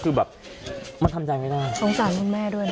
คือแบบมันทำใจไม่ได้สงสารคุณแม่ด้วยนะ